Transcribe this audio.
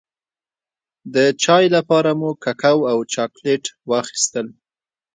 د چای لپاره مو ککو او چاکلېټ واخيستل.